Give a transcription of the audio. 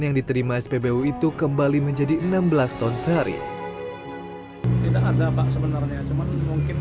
yang diterima spbu itu kembali menjadi enam belas ton sehari tidak ada pak sebenarnya cuman mungkin